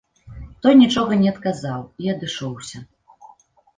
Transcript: Той нічога не адказаў і адышоўся.